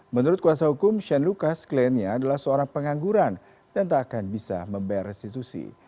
menurut kuasa hukum shane lucas kliennya adalah seorang pengangguran dan tak akan bisa membayar restitusi